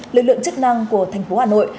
lực lượng chức năng của tp hà nội